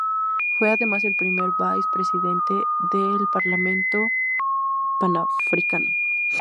Fue además el primer vice-presidente del Parlamento Panafricano.